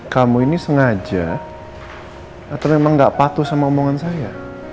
kamu ini sengaja atau memang gak patuh sama omongan saya